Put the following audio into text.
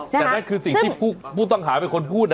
แต่นั่นคือสิ่งที่ผู้ต้องหาเป็นคนพูดนะ